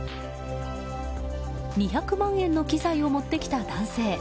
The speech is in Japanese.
２００万円の機材を持ってきた男性。